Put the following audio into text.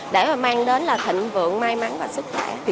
để mà mang đến là thịnh vượng may mắn và sức khỏe